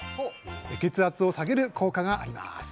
血圧を下げる効果があります。